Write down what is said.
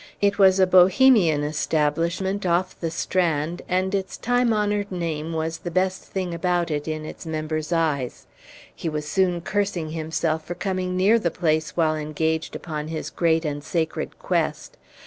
It was a Bohemian establishment off the Strand, and its time honored name was the best thing about it in this member's eyes. He was soon cursing himself for coming near the place while engaged upon his great and sacred quest.